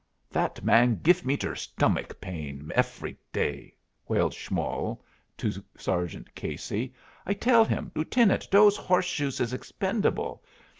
"That man gif me der stomach pain efry day," wailed Schmoll to Sergeant Casey. "I tell him, 'Lieutenant, dose horseshoes is expendable.